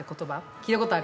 聞いたことある？